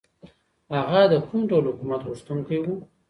هغه د کوم ډول حکومت غوښتونکی و؟